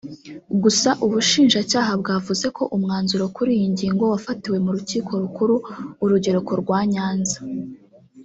Gusa Ubushinjacyaha bwavuze ko umwanzuro kuri iyo ngingo wafatiwe mu Rukiko Rukuru - Urugereko rwa Nyanza